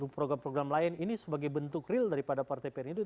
program program lain ini sebagai bentuk real daripada partai perindus